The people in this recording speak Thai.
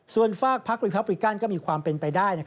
ส่วนฝากพักรีพับริกันก็มีความเป็นไปได้